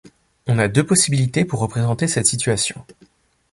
On a deux possibilités pour représenter cette situation.